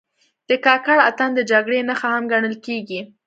د کاکړ اتن د جګړې نښه هم ګڼل کېږي.